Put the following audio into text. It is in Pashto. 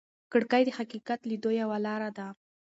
کړکۍ د حقیقت لیدلو یوه لاره ده.